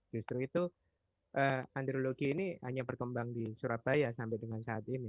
justru itu andriologi ini hanya berkembang di surabaya sampai dengan saat ini